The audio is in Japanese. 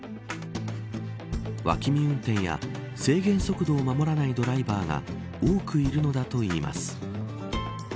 脇見運転や制限速度を守らないドライバーが多くいるのだといいます。